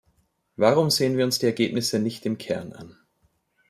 Warum sehen wir uns die Ergebnisse nicht im Kern an?